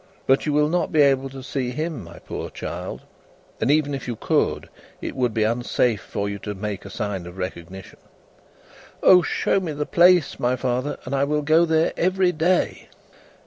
But you will not be able to see him, my poor child, and even if you could, it would be unsafe for you to make a sign of recognition." "O show me the place, my father, and I will go there every day."